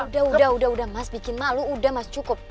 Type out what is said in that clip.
udah udah mas bikin malu udah mas cukup